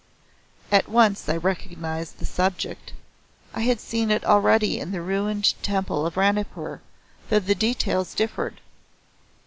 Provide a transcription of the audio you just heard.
At once I recognized the subject I had seen it already in the ruined temple of Ranipur, though the details differed.